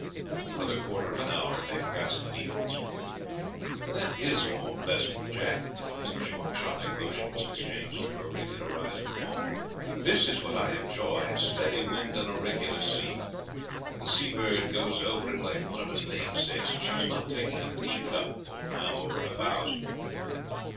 Another quarter of an hour and they had passed the Needles. "That is more pleasant, Jack," as the short, chopping motion was exchanged for a regular rise and fall; "this is what I enjoy a steady wind and a regular sea. The Seabird goes over it like one of her namesakes; she is not taking a teacupful now over her bows.